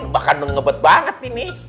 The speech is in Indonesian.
bahkan ngebet banget ini